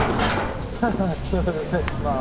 まあ、そうですね。